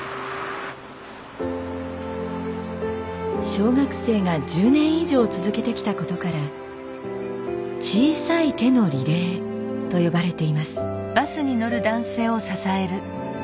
小学生が１０年以上続けてきたことから「小さい手のリレー」と呼ばれています。